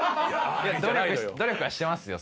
努力はしてますよ